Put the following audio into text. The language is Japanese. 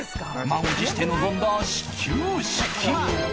満を持して臨んだ始球式。